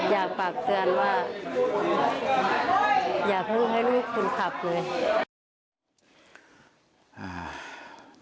อยากปากเตือนว่าอยากให้ลูกคุณขับด้วย